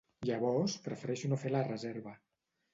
Llavors prefereixo no fer la reserva.